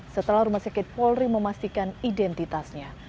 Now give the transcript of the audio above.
setelah rumah sakit polri memastikan identitasnya